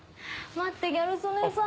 待って、ギャル曽根さん。